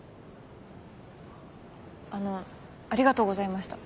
あのありがとうございました。